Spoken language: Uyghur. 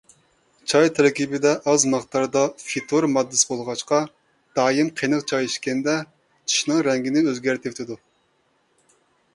چاي تەركىبىدە ئاز مىقداردا فىتور ماددىسى بولغاچقا، دائىم قېنىق چاي ئىچكەندە، چىشنىڭ رەڭگىنى ئۆزگەرتىۋېتىدۇ.